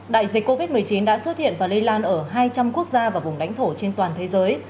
đại dịch covid một mươi chín đã xuất hiện và lây lan ở hai trăm linh quốc gia và vùng đánh thổ trên toàn thế giới